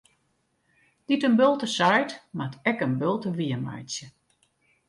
Dy't in bulte seit, moat ek in bulte wiermeitsje.